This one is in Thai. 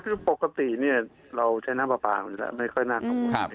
คือปกติเราใช้น้ำปลาคือไม่ค่อยน่ากลัว